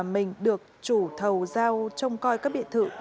mình được chủ thầu giao trong coi các biệt thự